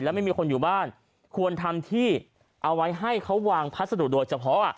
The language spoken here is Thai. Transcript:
แล้วไม่มีคนอยู่บ้านควรทำที่เอาไว้ให้เขาวางพัสดุโดยเฉพาะ